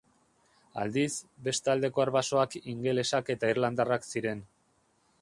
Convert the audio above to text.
Aldiz, beste aldeko arbasoak ingelesak eta irlandarrak ziren.